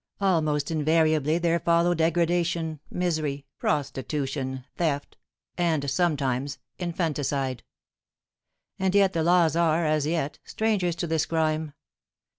Almost invariably there follow degradation, misery, prostitution, theft, and sometimes infanticide! And yet the laws are, as yet, strangers to this crime!